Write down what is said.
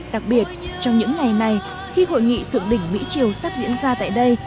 đặc biệt trong những ngày này khi hội nghị thượng đỉnh mỹ triều sắp diễn ra tại đây